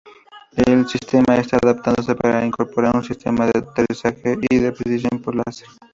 El sistema está adaptándose para incorporar un sistema de aterrizaje de precisión por láser.